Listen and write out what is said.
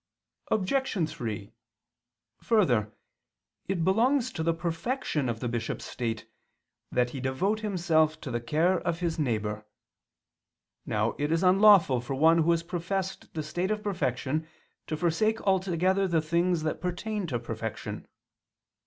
Obj. 3: Further, it belongs to the perfection of the bishop's state that he devote himself to the care of his neighbor. Now it is unlawful for one who has professed the state of perfection to forsake altogether the things that pertain to perfection.